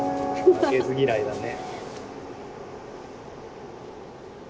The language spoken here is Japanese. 負けず嫌いだね。